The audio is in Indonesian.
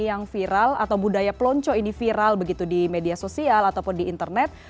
yang viral atau budaya pelonco ini viral begitu di media sosial ataupun di internet